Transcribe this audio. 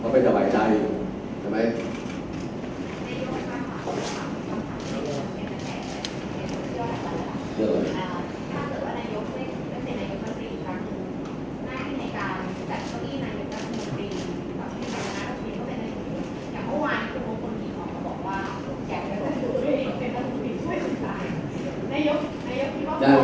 เขาบอกว่าเกี่ยวกับสมมุติเป็นสมมุติช่วยสุดท้าย